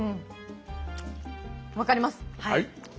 分かります。